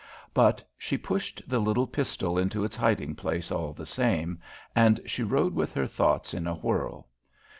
But she pushed the little pistol into its hiding place, all the same, and she rode with her thoughts in a whirl.